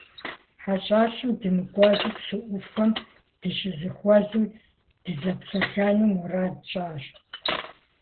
ХьэщӀэщым дымыкӀуэжу, псы ӏуфэм дыщызэхуэзэу дызэпсэлъэну мурад тщӏащ.